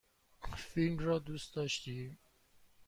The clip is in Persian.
فیلم را دوست داشتی؟